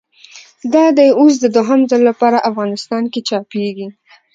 دا دی اوس د دوهم ځل له پاره افغانستان کښي چاپېږي.